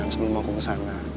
sebelum mau ke sana